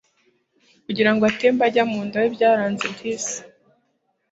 kugira ngo atembe ajya mu nda we byaranze disi